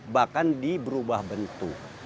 bahkan diberubah bentuk